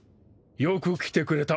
よく来てくれた。